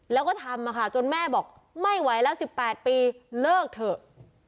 แล้วก็ทำมาค่ะจนแม่บอกไม่ไหวแล้ว๑๘ปีเลิกเถอะ